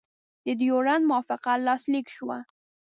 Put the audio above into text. د ډیورنډ موافقه لاسلیک شوه.